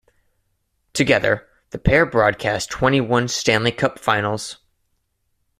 Together, the pair broadcast twenty-one Stanley Cup Finals.